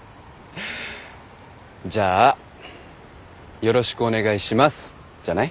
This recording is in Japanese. じゃあ「よろしくお願いします」じゃない？